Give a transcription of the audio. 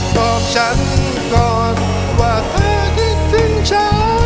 บอกฉันก่อนว่าเธอคิดถึงฉัน